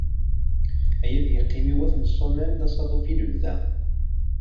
Ayagi ad d-iqqim i wat n Ṣṣumam d asaḍuf i lebda.